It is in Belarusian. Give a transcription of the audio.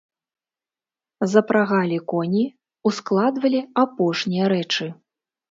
Запрагалі коні, ускладвалі апошнія рэчы.